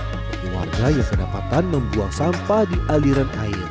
untuk warga yang kedapatan membuang sampah di aliran air